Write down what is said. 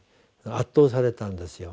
圧倒されたんですよ。